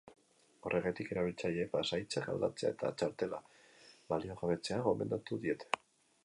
Horregatik, erabiltzaileei pasahitzak aldatzea eta txartela baliogabetzea gomendatu diete.